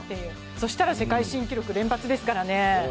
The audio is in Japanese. そしたら世界新記録連発ですからね。